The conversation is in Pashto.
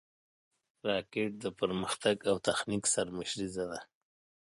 راکټ د پرمختګ او تخنیک سرمشریزه ده